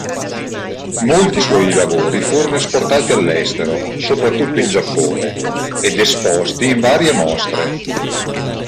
Molti suoi lavori furono esportati all'estero, soprattutto in Giappone, ed esposti in varie mostre.